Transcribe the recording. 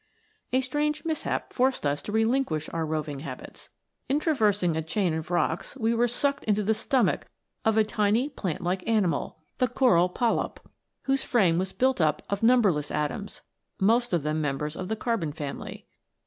"A strange mishap forced us to relinquish our roving habits. In traversing a chain, of rocks we were sucked into the stomach of a tiny plant like animal,* whose frame was built tip of numberless atoms, most of them members of the carbon family.